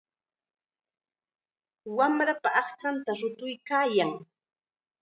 Wamrapa aqchanta rutuykaayan.